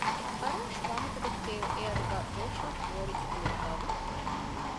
އަރާޝް ވާހަކަދެއްކިއިރު އެއަޑުގައި ޖޯޝާއި ފޯރި އެކުލެވިފައި ވި